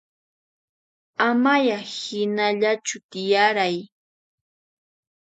Amaya hinallachu tiyarayay